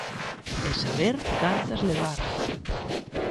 E saber cantas levar.